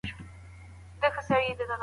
د معلوماتو په اساس پریکړې کیږي.